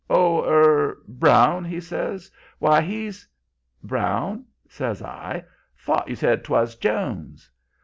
Oh er Brown?' he says. 'Why, he's ' "'Brown?' says I. 'Thought you said 'twas Jones?'